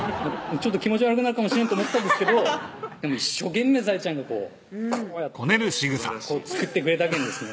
気持ち悪くなるかもしれんと思ったんですけどでも一生懸命さえちゃんがこうこうやって作ってくれたけんですね